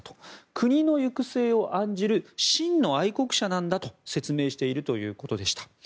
国の行く末を案じる真の愛国者なんだと説明しているということでした。